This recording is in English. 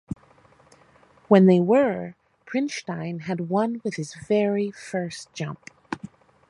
When they were, Prinstein had won with his very first jump.